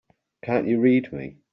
Can't you read me?